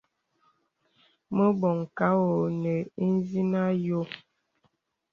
Mə̀ bɔŋ kà ɔ̄ɔ̄ nə ìzìnə àyɔ̄.